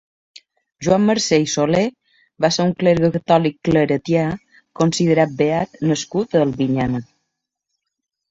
Joan Mercer i Soler va ser un clergue catòlic claretià considerat beat nascut a Albinyana.